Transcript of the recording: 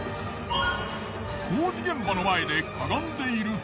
工事現場の前でかがんでいると。